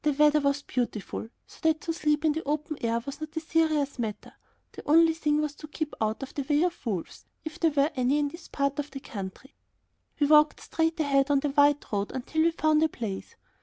The weather was beautiful, so that to sleep in the open air was not a serious matter. The only thing was to keep out of the way of the wolves, if there were any in this part of the country. We walked straight ahead on the white road until we found a place.